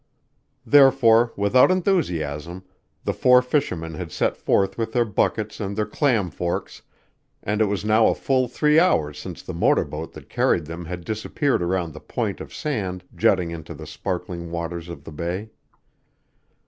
Therefore, without enthusiasm, the four fishermen had set forth with their buckets and their clam forks, and it was now a full three hours since the motor boat that carried them had disappeared around the point of sand jutting into the sparkling waters of the bay.